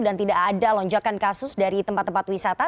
dan tidak ada lonjakan kasus dari tempat tempat wisata